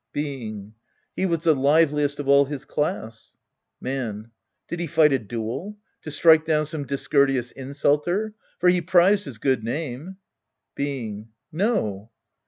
Being. He was the liveliest of all his class. Man. Did he fight a duel ? To strike down some discourteous insulter ? For he prized his good name. Being. No.